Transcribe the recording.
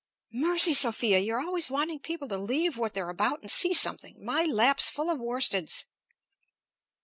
"Mercy, Sophia! You're always wanting people to leave what they're about and see something! My lap's full of worsteds."